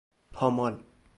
پامال